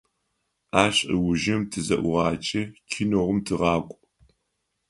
Ащ ыужым тызэӀугъакӀи, киноум тыгъакӀу.